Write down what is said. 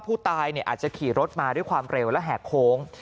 ผู้ตายอาจจะขี่รถมาด้วยความเร็วและแหกโค้ง